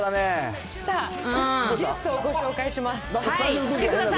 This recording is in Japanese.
ゲストをご紹介します。